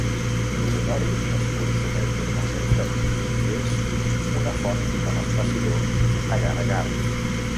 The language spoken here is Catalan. L'ogonori es consumeix normalment fred i és una font de l'espessidor agar-agar.